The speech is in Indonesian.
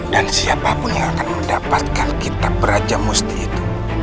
dan siapapun yang akan mendapatkan kita peraja musti itu